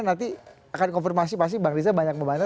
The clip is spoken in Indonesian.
nanti akan konfirmasi pasti bang riza banyak membantah